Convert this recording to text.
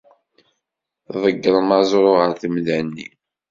Tḍeggrem aẓru ɣer temda-nni.